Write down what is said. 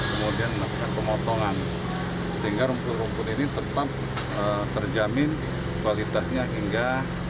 kemudian membuat pemotongan sehingga rumput rumput ini tetap terjamin kualitasnya hingga dua ribu dua puluh tiga